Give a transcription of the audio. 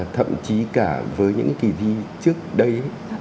thậm chí cả với những kỳ thi trước đây